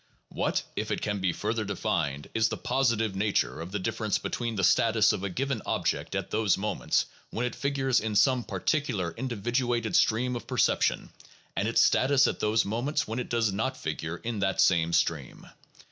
What, if it can be further defined, is the positive nature of the difference between the status of a given object at those moments when it figures in some particular individuated stream of percep tions, and its status at those moments when it does not figure in that same stream?